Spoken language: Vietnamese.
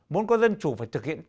muốn có dân chủ phải thực hiện tác dụng